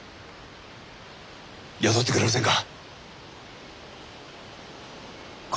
雇ってくれませんか？